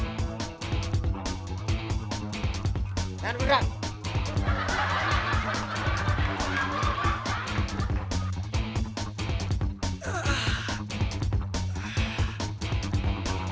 aduh aduh aduh aduh